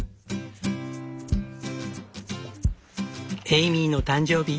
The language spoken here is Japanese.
エイミーの誕生日。